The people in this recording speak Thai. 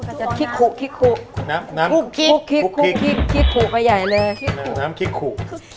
ก็จะคุกขึวน้ำคุกขึกไปใหญ่เลยน้ำคุกเข้าเลย